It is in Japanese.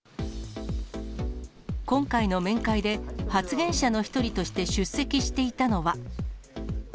今回の面会で、発言者の一人として出席していたのは。